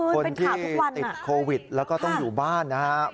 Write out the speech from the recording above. คนที่ติดโควิดแล้วก็ต้องอยู่บ้านนะครับ